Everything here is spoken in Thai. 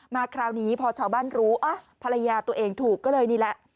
คราวนี้พอชาวบ้านรู้ภรรยาตัวเองถูกก็เลยนี่แหละ